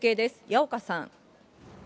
矢岡さん。